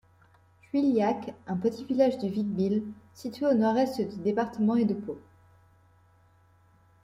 Juillacq est un village du Vic-Bilh, située au nord-est du département et de Pau.